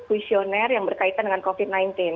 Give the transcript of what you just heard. kuisioner yang berkaitan dengan covid sembilan belas